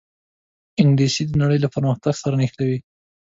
انګلیسي د نړۍ له پرمختګ سره نښلوي